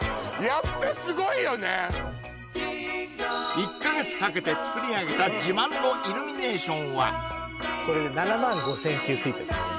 やっぱりすごいよね１か月かけて作り上げた自慢のイルミネーションはこれ７５０００球ついてる